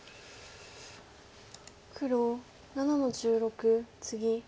黒７の十六ツギ。